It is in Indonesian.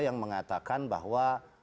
yang mengatakan bahwa